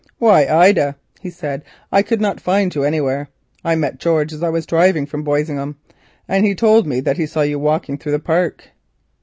"Why, Ida," he said, "I could not find you anywhere. I met George as I was driving from Boisingham, and he told me that he saw you walking through the park."